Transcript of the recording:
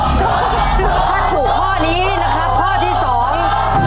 ถ้าถูกข้อนี้นะครับข้อที่สอง